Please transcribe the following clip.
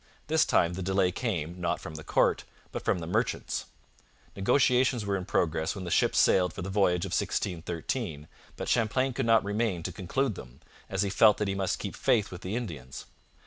This time the delay came, not from the court, but from the merchants. Negotiations were in progress when the ships sailed for the voyage of 1613, but Champlain could not remain to conclude them, as he felt that he must keep faith with the Indians.